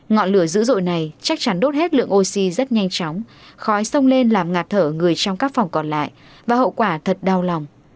ngọn lửa dữ dội này chắc chắn đốt hết lượng oxy rất nhanh chóng khói sông lên làm ngạt thở người trong các phòng còn lại và hậu quả thật đau lòng